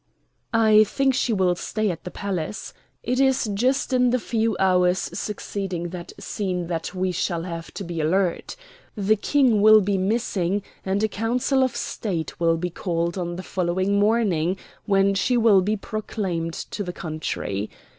"I think she will stay at the palace. It is just in the few hours succeeding that scene that we shall have to be alert. The King will be missing, and a Council of State will be called on the following morning, when she will be proclaimed to the country.